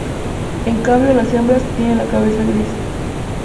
En cambio las hembras tienen la cabeza gris.